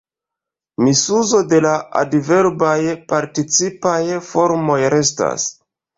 Misuzo de la adverbaj participaj formoj restas.